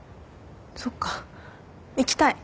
そっか行きたい。